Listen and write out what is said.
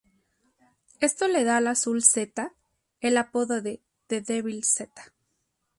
Esto le da al azul Z el apodo de "The Devil Z".